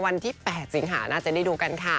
วันที่๘สิงหาน่าจะได้ดูกันค่ะ